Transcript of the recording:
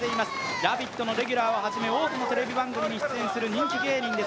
「ラヴィット！」のレギュラーをはじめ多くのテレビ番組に出演する人気芸人です